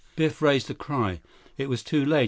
Biff raised a cry. It was too late.